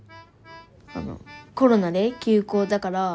コロナで休校だから。